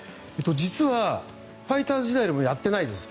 実はファイターズ時代にもやってないです。